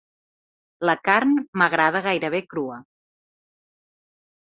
La carn m'agrada gairebé crua.